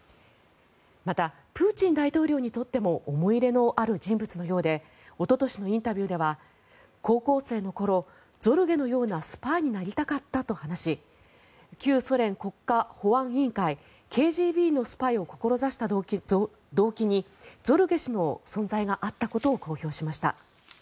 また、プーチン大統領にとっても思い入れのある人物のようでおととしのインタビューでは高校生の頃ゾルゲのようなスパイになりたかったと話し旧ソ連国家保安委員会・ＫＧＢのスパイを志した動機にゾルゲ氏の存在があったことを公表しました。